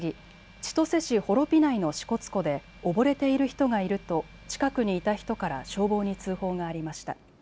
千歳市幌美内の支笏湖で溺れている人がいると近くにいた人から消防に通報がありました。